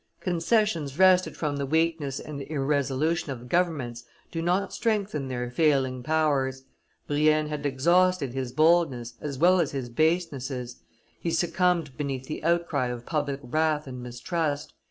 Concessions wrested from the weakness and irresolution of governments do not strengthen their failing powers. Brienne had exhausted his boldness as well as his basenesses; he succumbed beneath the outcry of public wrath and mistrust.